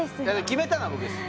決めたのは僕です